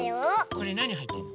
これなにはいってんの？